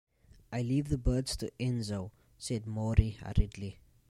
"I leave the birds to Enzo," said Maury hurriedly.